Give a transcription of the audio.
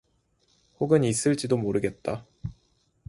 혹은 있을지도 모르겠다.